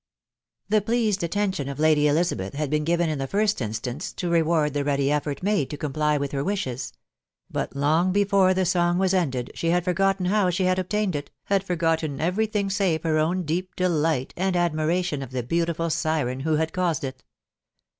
The pleased attention of Lady Elizabeth had been given a the first instance to reward the ready effort made to comply with her wishes ; but long before the song was ended, she ha1 forgotten how she had obtained it, had forgotten every tiring save her own deep delight, and admiration of the betntifti siren who had caused it.